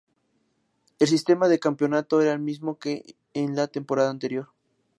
El sistema de campeonato era el mismo que en la temporada anterior.